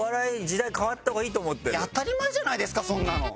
当たり前じゃないですかそんなの。